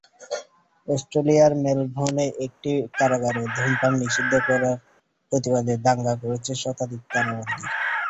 অস্ট্রেলিয়ার মেলবোর্নে একটি কারাগারে ধূমপান নিষিদ্ধ করার প্রতিবাদে দাঙ্গা করেছে শতাধিক কারাবন্দী।